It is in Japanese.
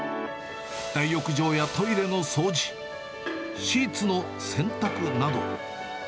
大浴場やトイレの掃除、シーツの洗濯など。